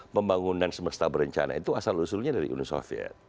pembangunan semesta berencana itu asal usulnya dari uni soviet